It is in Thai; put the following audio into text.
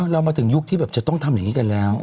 เรามาถึงยุคที่แบบจะต้องทำอย่างนี้กันแล้ว